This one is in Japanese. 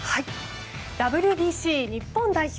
ＷＢＣ日本代表